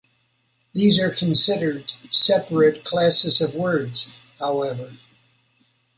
These are considered separate classes of words, however.